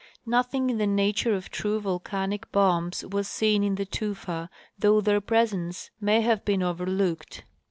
Nothing in the nature of true volcanic bombs was seen in the tufa, though their presence may have been overlooked.